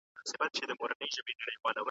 مخینه موږ ته لاره ښيي.